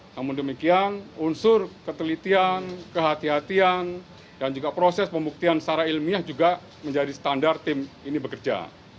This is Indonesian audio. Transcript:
namun demikian unsur ketelitian kehatian kehatian dan juga proses pembuktian secara ilmiah juga menjadi standar tim ini bekerja